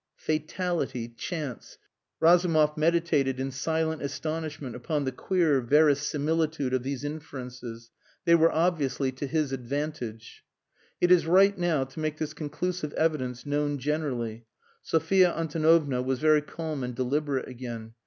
Fatality chance! Razumov meditated in silent astonishment upon the queer verisimilitude of these inferences. They were obviously to his advantage. "It is right now to make this conclusive evidence known generally." Sophia Antonovna was very calm and deliberate again.